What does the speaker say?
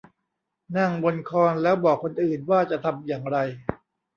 นั่งบนคอนแล้วบอกคนอื่นว่าจะทำอย่างไร